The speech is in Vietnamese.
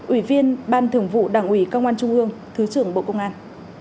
ủy viên ban thưởng vụ đảng ủy công an trung hương thứ trưởng bộ công an